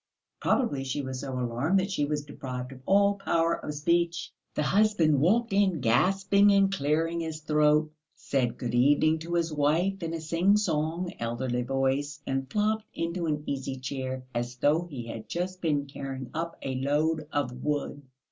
Probably she was so alarmed that she was deprived of all power of speech. The husband walked in gasping and clearing his throat, said good evening to his wife in a singsong, elderly voice, and flopped into an easy chair as though he had just been carrying up a load of wood.